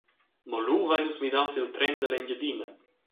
Mo lu vein nus midau sil tren dall’Engiadina.